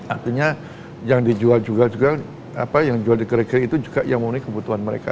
artinya yang dijual juga yang jual di kerikil itu juga yang memenuhi kebutuhan mereka